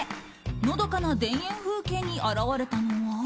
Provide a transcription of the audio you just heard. のどかな田園風景に現れたのは。